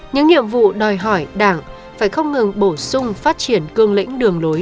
những nhiệm vụ đòi hỏi đảng phải không ngừng bổ sung phát triển cương lĩnh đường lối